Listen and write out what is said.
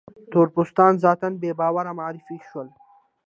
تور پوستان ذاتاً بې باوره معرفي شول.